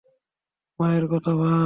মায়ের কথা ভাব।